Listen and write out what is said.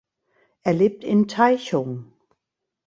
Er lebt in Taichung.